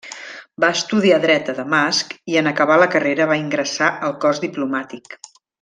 Va estudiar dret a Damasc i en acabar la carrera va ingressar al cos diplomàtic.